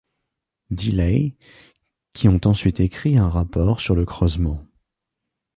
Deeley qui ont ensuite écrit un rapport sur le creusement.